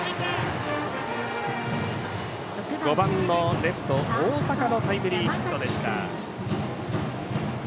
５番のレフト、大坂のタイムリーヒットでした。